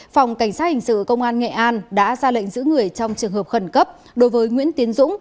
phòng cảnh sát hình sự công an nghệ an đã ra lệnh giữ người trong trường hợp khẩn cấp đối với nguyễn tiến dũng